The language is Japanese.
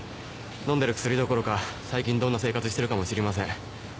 飲んでる薬どころか最近どんな生活してるかも知りません。